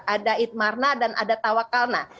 ada itmarna dan ada tawakalna